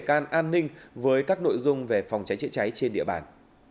an ninh với các nội dung về phòng cháy chữa cháy trên địa bàn